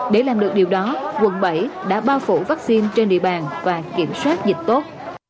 để làm được điều đó quận bảy đã bao phủ vaccine trên địa bàn và kiểm soát dịch tốt